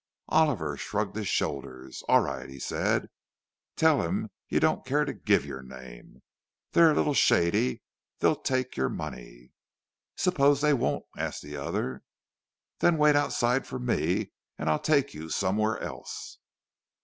Oliver shrugged his shoulders. "All right," he said; "tell him you don't care to give your name. They're a little shady—they'll take your money." "Suppose they won't?" asked the other. "Then wait outside for me, and I'll take you somewhere else."